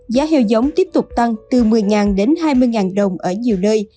giá heo giống tiếp tục tăng từ một mươi đến hai mươi đồng ở nhiều nơi